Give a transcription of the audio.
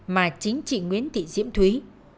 mà chính chị nguyễn thị diễm thúy